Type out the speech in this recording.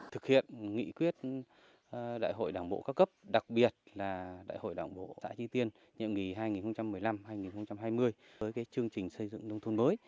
thực hiện nghị quyết đại hội đảng bộ cao cấp đặc biệt là đại hội đảng bộ xã thi tiên nhiệm nghỉ hai nghìn một mươi năm hai nghìn hai mươi với chương trình xây dựng nông thôn mới